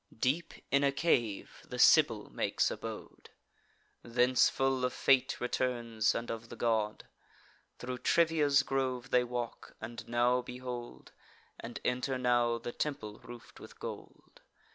Deep in a cave the Sibyl makes abode; Thence full of fate returns, and of the god. Thro' Trivia's grove they walk; and now behold, And enter now, the temple roof'd with gold.